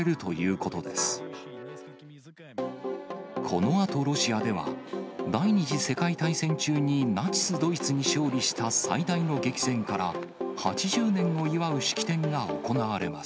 このあとロシアでは、第２次世界大戦中にナチス・ドイツに勝利した最大の激戦から８０年を祝う式典が行われます。